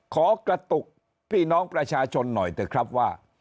ขอกระตุกพี่น้องประชาชนหน่อยเถอะครับว่า